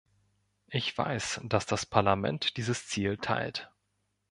Ich weiß, dass das Parlament dieses Ziel teilt.